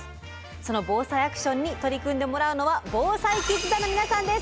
その「ＢＯＳＡＩアクション」に取り組んでもらうのはＢＯＳＡＩキッズ団の皆さんです。